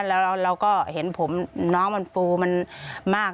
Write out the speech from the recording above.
แล้วเราก็เห็นผมน้องมันฟูมันมาก